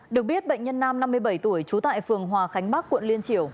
được biết bệnh nhân nam năm mươi bảy tuổi trú tại phường hòa khánh bắc quận liên triều